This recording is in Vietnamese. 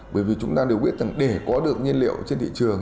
bởi vì chúng ta đều biết rằng để có được nhiên liệu trên thị trường